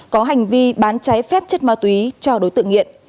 có hành vi bán trái phép chất ma túy cho đối tượng nghiện